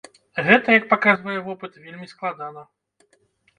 Гэта як паказвае вопыт, вельмі складана.